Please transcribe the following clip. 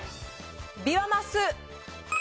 ビワマス。